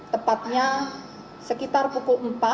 tepatnya sekitar pukul empat